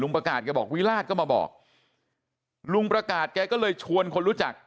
ประกาศแกบอกวิราชก็มาบอกลุงประกาศแกก็เลยชวนคนรู้จัก